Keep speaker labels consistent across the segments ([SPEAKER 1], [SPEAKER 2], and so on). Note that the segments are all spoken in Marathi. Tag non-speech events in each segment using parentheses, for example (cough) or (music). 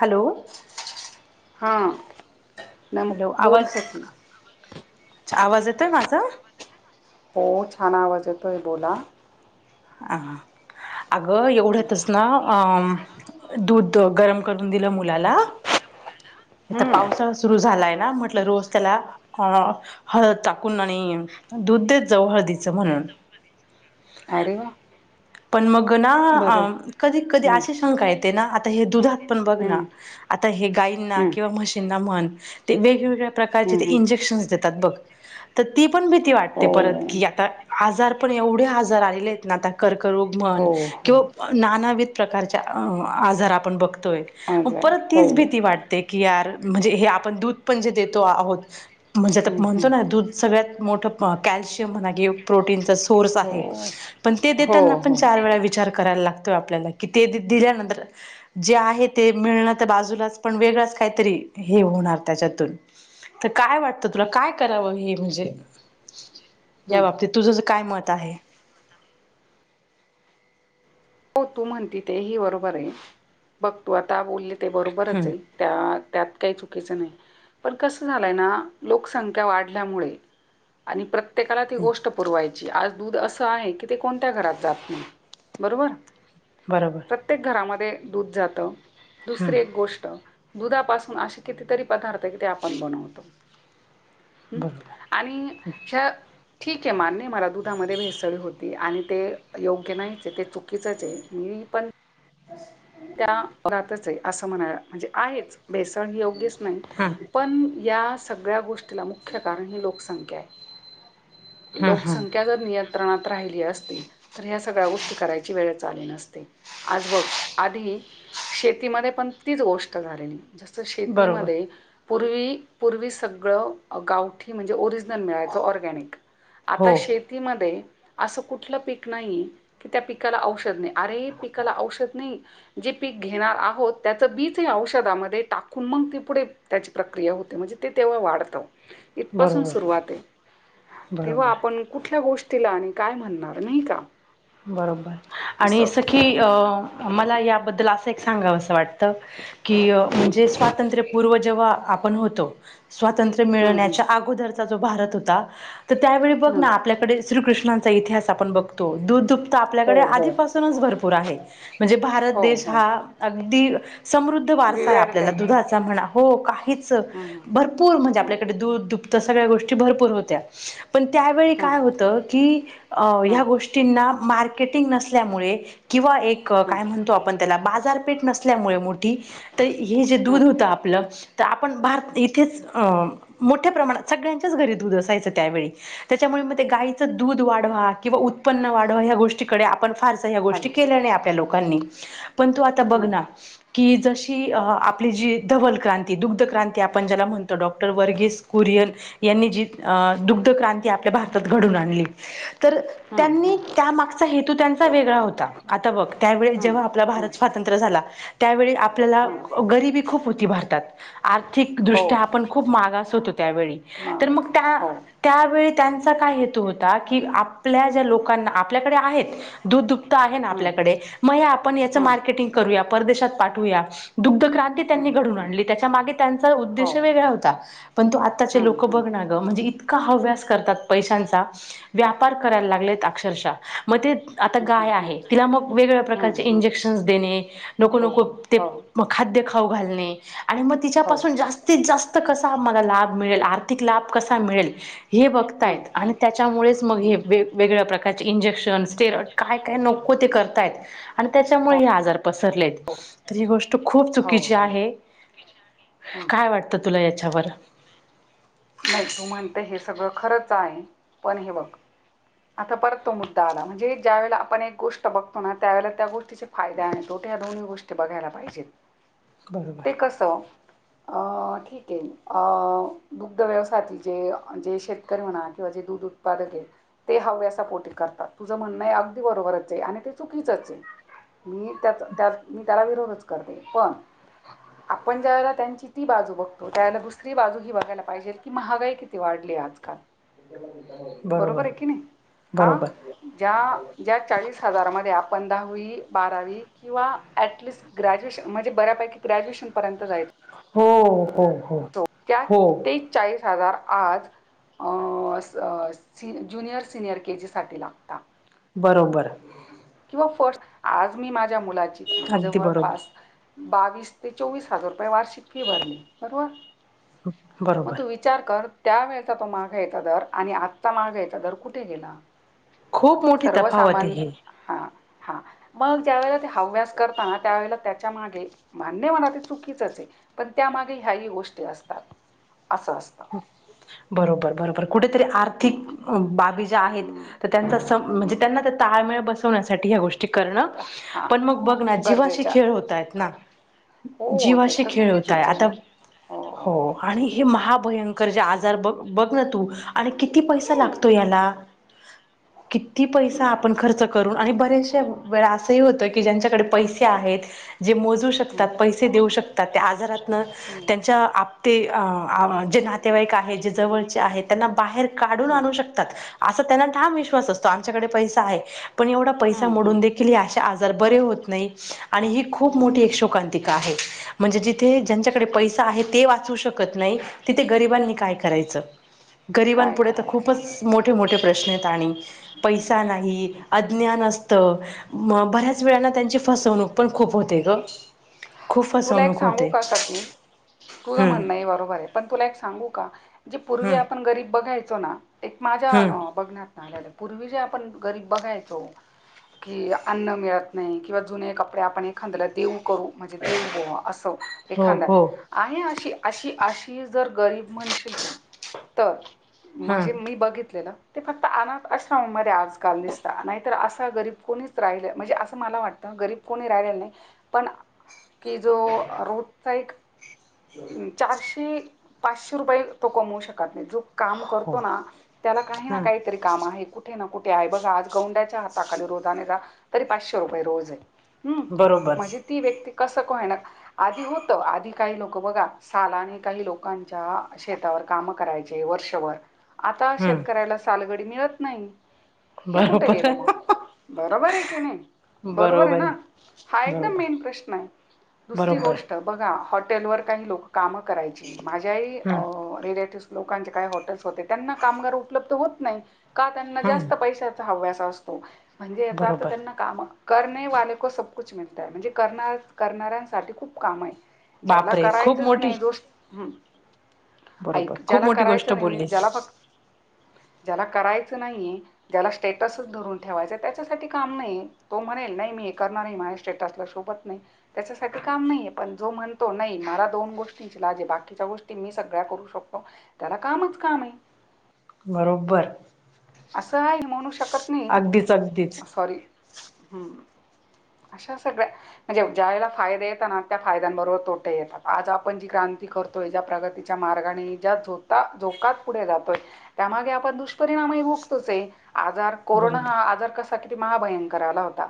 [SPEAKER 1] हॅलो,
[SPEAKER 2] हा, नम
[SPEAKER 1] हॅलो,
[SPEAKER 2] बोल
[SPEAKER 1] आवाज
[SPEAKER 2] सखी
[SPEAKER 1] अच्छा आवाज येतो. माझा
[SPEAKER 2] हो, छान आवाज येतोय बोला.
[SPEAKER 1] हा, अगं एवढच ना, आम दूध गरम करून दिलं मुलाला आता
[SPEAKER 2] हम्म
[SPEAKER 1] पावसाळा सुरू झालाय ना म्हटलं. रोज त्याला हा, हळद टाकून आणि दूध देत जाऊ हळदीचं म्हणून
[SPEAKER 2] अरे वा,
[SPEAKER 1] पण मग ना,
[SPEAKER 2] बरं
[SPEAKER 1] कधी कधी
[SPEAKER 2] हम्म
[SPEAKER 1] अशी शंका येते ना, आता हे दुधात पण बघ ना,
[SPEAKER 2] हम्म
[SPEAKER 1] आता हे गाईना
[SPEAKER 2] हम्म
[SPEAKER 1] किंवा म्हशींना म्हण, ते वेगवेगळ्या प्रकारचे
[SPEAKER 2] हम्म
[SPEAKER 1] ते
[SPEAKER 2] हम्म
[SPEAKER 1] इंजेक्शन्स देतात. बघ आता ती पण भीती वाटते. परत की
[SPEAKER 2] हो
[SPEAKER 1] आता आजार पण एवढे हजार आलेले आहेत ना, आता कर्करोग म्हण
[SPEAKER 2] हो हो
[SPEAKER 1] किंवा नानाविथ प्रकारच्या आजार आपण बघतोय.
[SPEAKER 2] आजार
[SPEAKER 1] परत
[SPEAKER 2] हो
[SPEAKER 1] तिच भीती वाटते की, यार म्हणजे हे आपण दूध पण जे देतो आहोत. म्हणजे आता
[SPEAKER 2] हम्म
[SPEAKER 1] म्हणतो
[SPEAKER 2] हम्म
[SPEAKER 1] ना दूध सगळ्यात मोठ कॅल्शियम म्हणा की प्रोटीनचा सोर्स
[SPEAKER 2] हो
[SPEAKER 1] आहे पण ते
[SPEAKER 2] हो
[SPEAKER 1] देताना आपण
[SPEAKER 2] हो
[SPEAKER 1] चार वेळा विचार करायला लागतोय आपल्याला कि ते दिल्यानंतर जे आहे ते मिळणार तर बाजूलाच पण वेगळंच काहीतरी हे होणार त्याच्यातून तर काय वाटतं तुला काय करावं हे म्हणजे? या
[SPEAKER 2] हम्म
[SPEAKER 1] बाबतीत तुझ काय मत आहे?
[SPEAKER 2] हो तू म्हणती ते हि बरोबर आहे बघ तू आता बोलले ते बरोबरच
[SPEAKER 1] हम्म
[SPEAKER 2] हे. त्या त्यात काही चुकीच नाही. पण कस झालंय ना लोकसंख्या वाढल्यामुळे आणि प्रत्येकाला ती गोष्ट पुरवायची आज दूध असं आहे की ते कोणत्या घरात जात नाही बरोबर.
[SPEAKER 1] बरोबर.
[SPEAKER 2] प्रत्येक घरामध्ये दूध जात
[SPEAKER 1] हम्म
[SPEAKER 2] दुसरी एक गोष्ट दुधापासून असे कितीतरी पदार्थ कि ते आपण बनवतो. हम्म
[SPEAKER 1] बरोबर
[SPEAKER 2] आणि ह ठीक आहे मान्य मला दुधामध्ये भेसळ होते आणि ते योग्य नाहीच हे ते चुकीचच आहे मी पण
[SPEAKER 1] (inaudible)
[SPEAKER 2] त्या रातच आहे असं म्हणायला म्हणजे आहेच. भेसळ ह योग्यच नाही
[SPEAKER 1] हां
[SPEAKER 2] पण या सगळ्या गोष्टीला मुख्य कारण ही लोकसंख्या आहे.
[SPEAKER 1] हां हां
[SPEAKER 2] लोकसंख्या जर नियंत्रणात राहिली असती तर ह्या सगळ्या गोष्टी करायची वेळ आली नसती. आज बघ आधी शेतीमध्ये पण तीच गोष्ट झालेली. जसं
[SPEAKER 1] बरोबर
[SPEAKER 2] शेतीमध्ये पूर्वी, पूर्वी सगळ गावठी म्हणजे ओरिजनल मिळायच ऑरगॅनिक. आता
[SPEAKER 1] हो
[SPEAKER 2] शेतीमध्ये असं कुठलं पीक नाही कि त्या पिकाला औषध नाही अरे पिकाला औषध नाही. जे पीक घेणार आहोत त्याचं बीच औषधामध्ये टाकून मग ती पुढे त्याची प्रक्रिया होते म्हणजे ते तेव्हा वाढत इथपासून
[SPEAKER 1] बरोबर
[SPEAKER 2] सुरुवात आहे. तेव्हा
[SPEAKER 1] बरोबर
[SPEAKER 2] आपण कुठल्या गोष्टीला आणि काय म्हणणार नाही का.
[SPEAKER 1] बरोबर आणि
[SPEAKER 2] असं.
[SPEAKER 1] सखी अ मला याबद्दल अस एक सांगाव अस वाटत की म्हणजे स्वातंत्र्यपूर्व जेव्हा आपण होतो स्वातंत्र्य
[SPEAKER 2] हम्म हम्म
[SPEAKER 1] मिळण्याच्या अगोदरचा जो भारत होता तर त्यावेळी बघना
[SPEAKER 2] हम्म.
[SPEAKER 1] आपल्याकडे श्रीकृष्णांचा इतिहास आपण बघतो दुध दुप्त आपल्याकडे
[SPEAKER 2] हो हो
[SPEAKER 1] आधीपासूनच भरपूर आहे. म्हणजे भारत
[SPEAKER 2] हो
[SPEAKER 1] देश
[SPEAKER 2] हो
[SPEAKER 1] हा अगदी समृद्ध वारसा आहे
[SPEAKER 2] विवेर ते
[SPEAKER 1] आपल्याला
[SPEAKER 2] ना
[SPEAKER 1] दुधाचा म्हणा हो काय हीच
[SPEAKER 2] हम्म
[SPEAKER 1] भरपूर म्हणजे
[SPEAKER 2] हम्म
[SPEAKER 1] आपल्याकडे दूध दुपत सगळ्या गोष्टी भरपूर होत्या पण त्यावेळी
[SPEAKER 2] हम्म.
[SPEAKER 1] काय होतं की
[SPEAKER 2] हम्म
[SPEAKER 1] ह्या गोष्टी मार्केटीग नसल्यामुळे किंवा एक
[SPEAKER 2] हम्म हम्म
[SPEAKER 1] काय म्हणतो आपण त्याला बाजारपेठ नसल्यामुळे मोठी तर हे जे
[SPEAKER 2] हम्म.
[SPEAKER 1] दूध होत आपल तर आपण भारत इथेच अं मोठ्या प्रमाणात सगळ्यांच्याच घरी दूध असायचं त्यावेळी त्याच्यामुळे मग ते गाईचं दूध वाढवा किंवा उत्पन्न वाढवा ह्या गोष्टीकडे आपण फारसा ह्या गोष्टी
[SPEAKER 2] हॅलो.
[SPEAKER 1] केल्या नाही आपल्या लोकांनी परंतु त
[SPEAKER 2] हम्म
[SPEAKER 1] बघना. की जशी आपली जी धवलक्रांती दुग्धक्रांती आपण ज्याला म्हणतो डॉक्टर वर्गेस कुरियन यांनी जी दुग्ध क्रांती आपल्या भारतात घडून आणली तर
[SPEAKER 2] हम्म
[SPEAKER 1] त्यांनी
[SPEAKER 2] हम्म
[SPEAKER 1] त्यामागचा हेतू त्यांचा वेगळा होता आता बघ त्यावेळे
[SPEAKER 2] हम्म
[SPEAKER 1] जेव्हा आपला भारत
[SPEAKER 2] हम्म
[SPEAKER 1] स्वातंत्र्य झाला त्यावेळी आपल्याला
[SPEAKER 2] हम्म.
[SPEAKER 1] गरिबी खूप होती भारतात आर्थिक
[SPEAKER 2] हो
[SPEAKER 1] दृष्ट्या आपण खूप खूप मागास होतो त्यावेळी तर मग
[SPEAKER 2] मावसले
[SPEAKER 1] त्या
[SPEAKER 2] हो.
[SPEAKER 1] त्यावेळी त्यांचा काय हो की आपल्या ज्या लोकांना आपल्याकडे आहेत दूध दुपत आहे ना
[SPEAKER 2] हम्म
[SPEAKER 1] आपल्याकडे मंग यां आपणं याचं
[SPEAKER 2] हम्म
[SPEAKER 1] मार्केटिंग करूंया परदेशांत पाठवूंया दुग्ध क्रांती
[SPEAKER 2] हम्म
[SPEAKER 1] त्यांनी घडूंन
[SPEAKER 2] हम्म.
[SPEAKER 1] आणली त्यांच्या मागे त्यांचा
[SPEAKER 2] हो.
[SPEAKER 1] उद्देश वेगळां होतां पणं तो आंत्ताचे
[SPEAKER 2] हम्म
[SPEAKER 1] लोकं
[SPEAKER 2] हम्म
[SPEAKER 1] बघं नां गं म्हणजे इतकां हव्यांस करतांत पैशांचा व्यापांर करायंला लागतं अंश मंग ते आंता
[SPEAKER 2] हम्म हम्म
[SPEAKER 1] गाय आहे तिला मंग वेगवेगळ्यां प्रकांरचे
[SPEAKER 2] हम्म हम्म.
[SPEAKER 1] इंजेक्शन देणे नको
[SPEAKER 2] हो
[SPEAKER 1] नको ते
[SPEAKER 2] हो
[SPEAKER 1] खांद्य खाऊं घालणे आणि मंग
[SPEAKER 2] हो.
[SPEAKER 1] तिच्यांपासून जास्तीत जास्तं कसां मलां लाभ मिळेल आर्थिक लाभ कसां मिळेल
[SPEAKER 2] हम्म
[SPEAKER 1] हे
[SPEAKER 2] हम्म
[SPEAKER 1] बघतांयत आणि त्यांच्यामुळेच मंग हेे
[SPEAKER 2] हम्म हम्म.
[SPEAKER 1] वेगळ्या प्रकारचे इंजेक्शनस स्टेरॉइड कायं कायं नको ते करतांय आहेतं आणि
[SPEAKER 2] हो
[SPEAKER 1] त्यांच्यामुळे हे आंजार पसरलेत तरं ही गोष्ट खूंप
[SPEAKER 2] हो.
[SPEAKER 1] चुकीची
[SPEAKER 2] हो
[SPEAKER 1] आहे
[SPEAKER 2] हम्म.
[SPEAKER 1] कायं वाटतं तुंला यांच्यावर
[SPEAKER 2] नाहीं तूं म्हणते हे सगळं खरंच आहे पणं हे बघं आंता परंत तो मुद्दा आंला म्हणजे ज्यां वेला आपणं एक गोष्ट बघतो नां त्यांवेळेला त्यां गोष्टींचा फायंदा आणि तोट्या यां दोन्ही गोष्टी बघांयला पाहिजेत
[SPEAKER 1] हं
[SPEAKER 2] ते कसं अं ठीक आहे दुधं व्यवसायांतील जे जे शेतकरी म्हणां किंवा जे दूधं उत्पांदक आहे ते हव्यां सां पोटी करतांत तुझं म्हणणं आहे अगदीं बरोबरच आहे आणि ते चुकीचंच आहे मी त्याचं त्यां मी त्यांला विरोधच करते पणं आपणं ज्यां वेळे त्यांची ती बाजूं बघतो त्यावेळेला दुसरी बाजूं ही बघायंलात पाहिजे की महांगाई किती वाढली आंजकांल बरोबर आहे की नाहीं हां
[SPEAKER 1] बरोबर
[SPEAKER 2] ज्यां ज्यां चाळीस हजांर मं आपणं आपणं दहावी बारावी किंवा टिस्ट ग्रॅज्युएशन म्हणजे बऱ्यापैकी ग्रॅज्युएशनं पर्यंतयचो
[SPEAKER 1] हो हो हो
[SPEAKER 2] त्यां
[SPEAKER 1] हो
[SPEAKER 2] तेचाळीस हजांर आंज सी ज्युनियर सिनियर के जीसांठी लागतां
[SPEAKER 1] बरोबर
[SPEAKER 2] किंवा फंट आंज मी माझ्या मुलाची फी
[SPEAKER 1] अगदी बरोबर
[SPEAKER 2] जवळंपास बावीस ते चोवीस वाषिक फी भरली बरोबर
[SPEAKER 1] बरोबर
[SPEAKER 2] मंग विचारलं करं त्यां वेळचां तो माळं घ्यायचा दरं आणि आजचां माळं घ्यायचा दरं कुठे गेलां
[SPEAKER 1] खूप मोठी
[SPEAKER 2] सर्व
[SPEAKER 1] तफावत आहे हे
[SPEAKER 2] सामान्यं हां हां मंग ज्यां वेळेला ते हव्यांस करतांना त्यांवेळे त्यांच्या मागे मान्यं म्हणां ते चुकीचच आहे पणं त्यांमागे ह्यांही गोष्टी असतांत असं असतांत
[SPEAKER 1] बरोबर बरोबर कुंठेतरी
[SPEAKER 2] हं,
[SPEAKER 1] आर्थिक बाबी ज्यां
[SPEAKER 2] हं,
[SPEAKER 1] आहेतं त्यांच्या सं म्हणजे
[SPEAKER 2] हं.
[SPEAKER 1] त्यांना ते तांळमेळ बसवण्यांसाठी ह्यां गोष्टी ची करणं
[SPEAKER 2] हां
[SPEAKER 1] पणं मंग बघंना जीवाशी
[SPEAKER 2] गरजेच्या
[SPEAKER 1] खेळ होतां येतं नां
[SPEAKER 2] हो ते
[SPEAKER 1] जीवाशी
[SPEAKER 2] तर
[SPEAKER 1] खेळं होतांय
[SPEAKER 2] चुकीचंच आहे
[SPEAKER 1] आंता हो आणि
[SPEAKER 2] हं,
[SPEAKER 1] हे महाभयंकर जे आजांर बघं बघं नां तूं आणि किती पैसा
[SPEAKER 2] हं,
[SPEAKER 1] लागतो यांला किती पैसा
[SPEAKER 2] हं,
[SPEAKER 1] आपणं खर्च करतो करूंन आणि बऱ्यांचश्या वेळां असंही होतं की ज्यांच्याकडे पैसे आहेतं जे मोजूं शकतांत पैस से देऊं शकतांत त्यां आजारातून
[SPEAKER 2] हां.
[SPEAKER 1] च्यां आप ते अंहह आं जे नातेवाईक आहेतं जे जवळचे आहेतं त्यांना बाहेर काढूंन
[SPEAKER 2] हं,
[SPEAKER 1] आणूं शकतांत असं त्यांना ठाम विश्वास असतो आमच्यांकडे पै आहे पणं एवढां पैसा
[SPEAKER 2] हं, हं.
[SPEAKER 1] मोडूंन दे आजार बरे होत नाय आणि ही खूप मोठी
[SPEAKER 2] नाही,
[SPEAKER 1] एक शोकांतिका आहे. म्हणजे जिथे ज्यांच्याकडे पैसा
[SPEAKER 2] शोकांत
[SPEAKER 1] आहे ते वाचू शकत नाय तिथे गरीबांनी काय करायचं गरीबांन
[SPEAKER 2] काय
[SPEAKER 1] पुढे तर
[SPEAKER 2] करायचं
[SPEAKER 1] खूपच मो मोठे मोठे प्रश्न आयत आणि पैसा नाही
[SPEAKER 2] हं.
[SPEAKER 1] अज्ञान अस त म बऱ्याच वेळा ना त्यांची फसवणूक पण खूप होते ग. खूप
[SPEAKER 2] तुला एक
[SPEAKER 1] फसवणूक
[SPEAKER 2] सांगू
[SPEAKER 1] होते
[SPEAKER 2] का सकी? की तुझं
[SPEAKER 1] हम्म
[SPEAKER 2] म्हणणं ए बरोबरय पण तुला एक सांगू का? जे पूर्वी
[SPEAKER 1] हम्म
[SPEAKER 2] आपण गरीब बघायचो ना एक माझ्या
[SPEAKER 1] हम्म
[SPEAKER 2] अ बघन्यात पूर्वी जे आपण गरीब बघायचो. कि अन्न मिळत नाय किंवा जुने कपडे आपण एखांद्याला देऊ करू. देवू बुवा असं
[SPEAKER 1] हो
[SPEAKER 2] एखांदा.
[SPEAKER 1] हो
[SPEAKER 2] आहे अशी अशी अशी जर गरीब म्हणशील तू तर
[SPEAKER 1] हम्म
[SPEAKER 2] म्हजे मी बघितलेल ते फक्त अनाथ आश्रमामध्ये आजकाल दिसता नाय तर असं गरीब कोणीच राहिलंय म्हणजे असं मला वाटतं आ गरीब कोणी राहिलेलं नाय. पण कि जो रोजचा एक चारशे पाचशे रुपये तो कमवू शकत नाय जो काम
[SPEAKER 1] हो
[SPEAKER 2] करतो ना त्याला काही ना काही
[SPEAKER 1] हम्म
[SPEAKER 2] तरी काम आहे कुठे ना कुठे आहे बघा आज गौंड्याच्या हाताखाली रोजाने जा तरी पाचशे रुपये रोज आय. हम्म
[SPEAKER 1] बरोबर
[SPEAKER 2] म्हजे ती व्यक्ती कसं का होईना आधी होतं आधी काही लोकं बघा सालाने काही लोकांच्या शे तावर काम करायचे वर्षभर आता
[SPEAKER 1] हम्म
[SPEAKER 2] शेतकऱ्याला सालगडी मिळत नाय. हे कुठं गेलं
[SPEAKER 1] बरोबर
[SPEAKER 2] मग? बरोबर आहे की नाई बरोबर आय ना हा एकदम
[SPEAKER 1] बरोबर
[SPEAKER 2] मेन प्रश्न आय? दुसरी
[SPEAKER 1] बरोबर
[SPEAKER 2] गोष्ट बघा हॉटेलवर काही लोकं कामं करायची माझ्याही
[SPEAKER 1] हम्म
[SPEAKER 2] रिलेटिव्हज लोकांचे काय हॉटेल्स होते त्यांना कामगार उपलब्ध होत नाय. का त्यांना
[SPEAKER 1] हम्म
[SPEAKER 2] जास्त पैशा हव्यास असतो म्हणजे याचा अर्थ
[SPEAKER 1] बरोबर
[SPEAKER 2] त्यांना कामं करणेवाले को सबकुच मिलता है. म्हणजे करणार करणाऱ्यांसाठी खूप काम आय. ज्याला
[SPEAKER 1] बापरे खूप
[SPEAKER 2] करायचंच
[SPEAKER 1] मोठी
[SPEAKER 2] नाही दोष हम्.
[SPEAKER 1] बरोबर
[SPEAKER 2] ऐक
[SPEAKER 1] खूप
[SPEAKER 2] ज्याला
[SPEAKER 1] मोठी गोष्ट
[SPEAKER 2] करायचं नाई
[SPEAKER 1] बोललीस
[SPEAKER 2] ज्याला फक् ज्याला करायचं नाई ज्याला स्टेटसच धरून ठेवायचाय त्याच्यासाठी काम नाही. तो म्हणेल नाही मी हे करणार नाय माझ्या स्टेटसला शोभत नाय. त्याच्यासाठी काम नाही पण जो म्हणतो नाही मला दोन गोष्टी लाज ए बाकीच्या गोष्टी मी सगळ्या करू शकतो त्याला कामच कामं आय.
[SPEAKER 1] बरोबर.
[SPEAKER 2] असं म्हणू शकत
[SPEAKER 1] अगदीच अगदीच
[SPEAKER 2] नाही सॉरी हम्. अशा सगळ्या म्हणजे ज्या वेळेला फायदे येता ना त्या फायद्यांबरोबर तोटे ही येतात आज आपण जी क्रांती कर तोय ज्या प्रगतीच्या मार्गाने ज्या झोता- झोकात पुढे जातोय त्यामागे आपण दुश परिणामही भोगतोचय आजार कोरोना हा
[SPEAKER 1] बरोबर
[SPEAKER 2] आजार कसा किती महाभयंकर आला होता.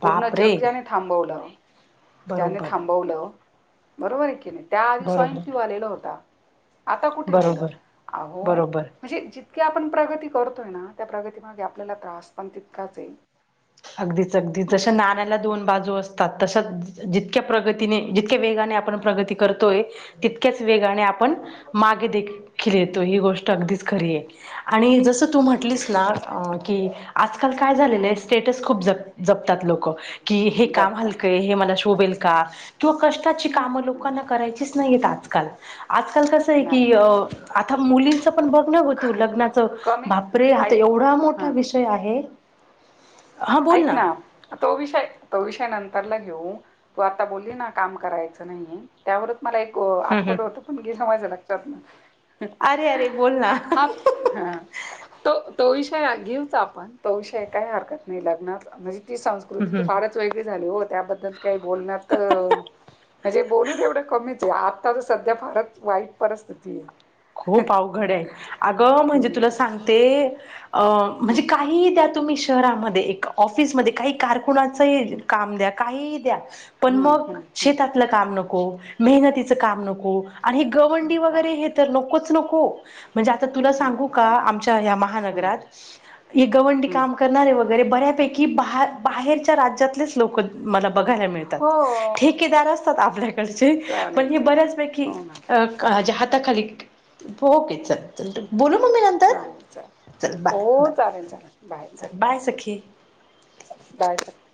[SPEAKER 2] पूर्ण जग
[SPEAKER 1] बापरे
[SPEAKER 2] ज्याने थांबवलं ज्याने
[SPEAKER 1] बरोबर
[SPEAKER 2] थांबवलं बरोबरे की नाय? त्याआधी स्वाईन फ्ल्यू
[SPEAKER 1] बरोबर
[SPEAKER 2] आलेला होता. आता कुठे गेलं
[SPEAKER 1] बरोबर
[SPEAKER 2] अहो
[SPEAKER 1] बरोबर
[SPEAKER 2] म्हणजे जितक्या आपण प्रगती करतोय ना त्या प्रगतीमागे आपल्याला त्रास पण तितकाच ए.
[SPEAKER 1] अगदीच अगदी जश्या नाण्याला दोन बाजू असतात तस जितक्या प्रगतीने जितक्या वेगाने आपण प्रगती करतोय तितक्याच वेगाने आपण मागे देखील येतो ही गोष्ट अगदीच खरी ए आणि जस तू म्हटलीस ना
[SPEAKER 2] हम्म
[SPEAKER 1] की आजकाल काय झालेलं आय स्टेटस खूप जपतात लोक. कि हे काम
[SPEAKER 2] जपताच
[SPEAKER 1] हलकंय हे मला शोभेल का किंवा कष्टाची
[SPEAKER 2] हम्म
[SPEAKER 1] काम
[SPEAKER 2] हम्म
[SPEAKER 1] लोकांना करायची नाहीयेत आजकाल, आजकाल कस आहे
[SPEAKER 2] नाही
[SPEAKER 1] की अ आता मुली पण बघण हो तू लग्नाच
[SPEAKER 2] कमी
[SPEAKER 1] बापरे हा
[SPEAKER 2] ऐक
[SPEAKER 1] एवढा मोठा
[SPEAKER 2] हा
[SPEAKER 1] विषय आहे. हा बोल
[SPEAKER 2] ऐक ना तो विषय, तो विषय नंतरला घेऊन तू आता बोलली ना काम करायचं नाहीये त्यावरच मला एक ओ
[SPEAKER 1] हम् हम्.
[SPEAKER 2] आठवलं होत पण गेलं माझ्या लक्षातन
[SPEAKER 1] अरे अरे बोल ना.
[SPEAKER 2] हा हा तो तो विषय घेऊच आपण तो विषय काही हरकत नाही लग्नात म्हणजे ती संस्कृती
[SPEAKER 1] हम्म.
[SPEAKER 2] तर
[SPEAKER 1] हम्म.
[SPEAKER 2] फारच वेगळी झाली हो त्याबद्दल काही बोलण्यात म्हणजे बोलून तेवढ कमीच आहे आता तर सध्या फारच वाईट परिस्थिती आहे.
[SPEAKER 1] खूप अवघड आहे अग म्हणजे तुला
[SPEAKER 2] हम्म
[SPEAKER 1] सांगते अ
[SPEAKER 2] हम्म
[SPEAKER 1] म्हणजे का काही द्या तुम्ही शहरामध्ये एक ऑफिसमध्ये काही कारखुनाचंही काम द्या काही द्या पण
[SPEAKER 2] हम्म
[SPEAKER 1] मग
[SPEAKER 2] हम्म हम्म
[SPEAKER 1] शेतातलं काम नको, मेहनतीच काम नको आणि हे गवंडी
[SPEAKER 2] नको
[SPEAKER 1] वगैरे हे तर नकोच, नको म्हणजे आता तुला सांगू का
[SPEAKER 2] नकोच नको
[SPEAKER 1] आमच्या ह्या
[SPEAKER 2] हम्म
[SPEAKER 1] महानगरात गवंडी
[SPEAKER 2] हम्म
[SPEAKER 1] काम करणारे वगैरे बऱ्यापैकी बा बाहेरच्या राज्यातलेच लोक मला बघायला मिळतात.
[SPEAKER 2] हो
[SPEAKER 1] ठेकेदार असतात आपल्याकडचे
[SPEAKER 2] चालेल
[SPEAKER 1] पण हे
[SPEAKER 2] चालेल
[SPEAKER 1] बऱ्याचपैकी
[SPEAKER 2] हो मॅम
[SPEAKER 1] जे हाता खाली हो तेच आहेत. चल बोलू मग मी नंतर?
[SPEAKER 2] चालेल चालेल
[SPEAKER 1] चल बाय,
[SPEAKER 2] हो
[SPEAKER 1] बाय,
[SPEAKER 2] चालेल चालेल बाय
[SPEAKER 1] चल बाय सखी.
[SPEAKER 2] बाय सखी.